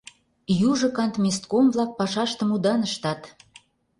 Южо кантместком-влак пашаштым удан ыштат.